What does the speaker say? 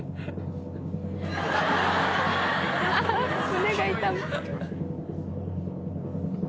胸が痛む。